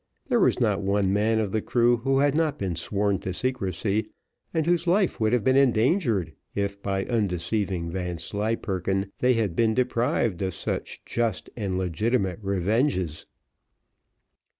There was not one man of the crew who had not been sworn to secrecy, and whose life would not have been endangered if, by undeceiving Vanslyperken, they had been deprived of such just and legitimate revenges.